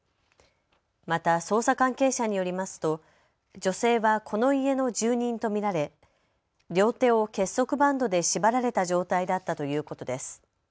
また捜査関係者によりますと女性はこの家の住人と見られ両手を結束バンドで縛られた状態だったということです。